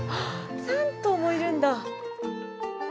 ３頭もいるんだ。